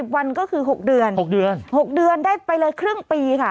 วันก็คือ๖เดือน๖เดือน๖เดือนได้ไปเลยครึ่งปีค่ะ